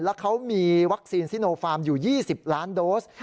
แล้วเขามีวัคซีนซิโนฟาร์มอยู่๒๐ล้านโดส